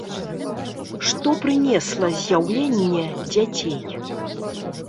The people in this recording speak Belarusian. Што прынесла з'яўленне дзяцей?